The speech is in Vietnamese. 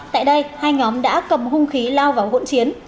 tại đây hai nhóm đã cầm hung khí lao vào hỗn chiến